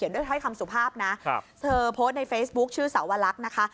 ด้วยถ้อยคำสุภาพนะเธอโพสต์ในเฟซบุ๊คชื่อสาวลักษณ์นะคะ